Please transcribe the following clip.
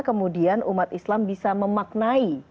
kemudian umat islam bisa memaknai